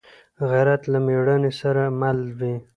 غیرت له مړانې سره مل وي